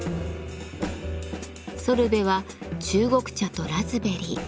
ソルベは中国茶とラズベリー。